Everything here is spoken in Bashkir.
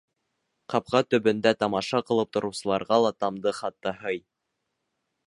Ҡапҡа төбөндә тамаша ҡылып тороусыларға ла тамды хатта һый.